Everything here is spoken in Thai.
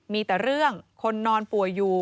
มีแต่เรื่องคนนอนป่วยอยู่